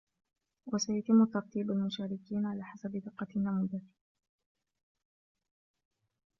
وسيتم ترتيب المشاركين على حسب دقة النموذج